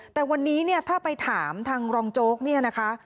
แต่วันนี้ถ้าไปถามทางรองโจ๊กนี่นะคะ